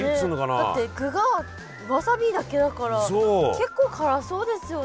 だって具がわさびだけだから結構辛そうですよね。